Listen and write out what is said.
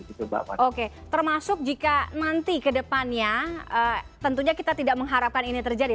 oke termasuk jika nanti ke depannya tentunya kita tidak mengharapkan ini terjadi